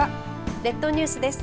列島ニュースです。